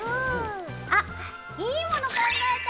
あっいいもの考えた！